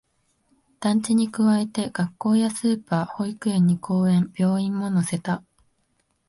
団地に加えて、学校やスーパー、保育園に公園、病院も乗せた